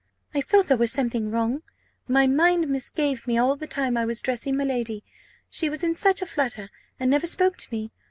"I thought there was something wrong; my mind misgave me all the time I was dressing my lady, she was in such a flutter, and never spoke to me.